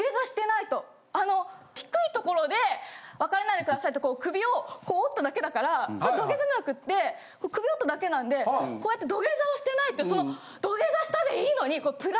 あの低いところで別れないでくださいって首をこう折っただけだから土下座じゃなくって首折っただけなんでこうやって土下座をしてないってその土下座したでいいのに。